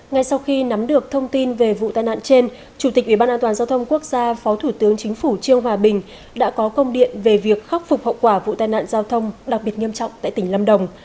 ngay sau khi nắm được thông tin về vụ tai nạn trên chủ tịch ubnd quốc gia phó thủ tướng chính phủ trương hòa bình đã có công điện về việc khắc phục hậu quả vụ tai nạn giao thông đặc biệt nghiêm trọng tại tỉnh lâm đồng